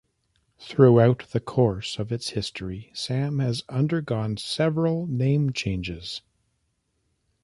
Throughout the course of its history, Sam has undergone several name changes.